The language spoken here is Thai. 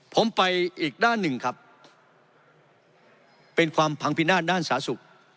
ผมไปอีกด้านหนึ่งครับเป็นความพังพินาศด้านสาธารณสุข